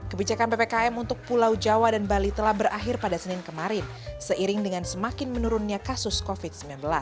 kebijakan ppkm untuk pulau jawa dan bali telah berakhir pada senin kemarin seiring dengan semakin menurunnya kasus covid sembilan belas